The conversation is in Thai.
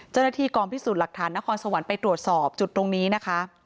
เจ้าหน้าที่กองพิสูจน์หลักฐานนครสวรรค์ไปตรวจสอบจุดตรงนี้นะคะ